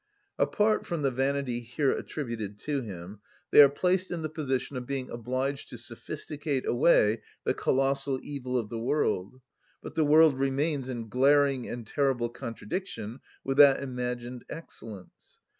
Apart from the vanity here attributed to him, they are placed in the position of being obliged to sophisticate away the colossal evil of the world; but the world remains in glaring and terrible contradiction with that imagined excellence.